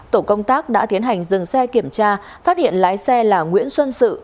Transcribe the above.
tổ công tác đã tiến hành dừng xe kiểm tra phát hiện lái xe là nguyễn xuân sự